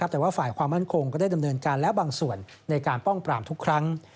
แต่ว่าฝ่ายความมั่นคงก็ได้ดำเนินการแล้วบางส่วนในการป้องปรามทุกครั้ง